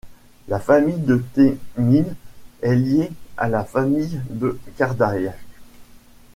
La famille de Thémines est liée à la famille de Cardaillac.